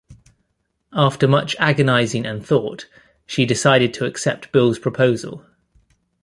After much agonising and thought, she decided to accept Bill's proposal.